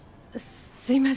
すいません。